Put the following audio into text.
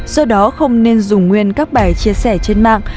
do đó không nên dùng nguyên các bài chia sẻ trên mạng